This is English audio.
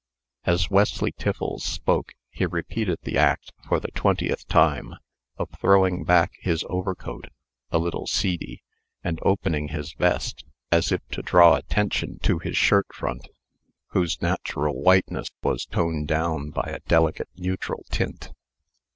As Wesley Tiffles spoke, he repeated the act, for the twentieth time, of throwing back his overcoat (a little seedy), and opening his vest, as if to draw attention to his shirt front, whose natural whiteness was toned down by a delicate neutral tint.